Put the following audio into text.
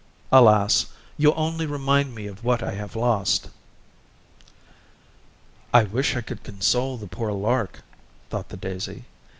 Alas! you only remind me of what I have lost." "I wish I could console the poor lark," thought the daisy.